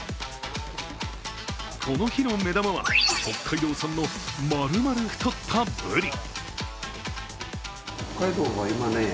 この日の目玉は、北海道産のまるまる太ったブリ。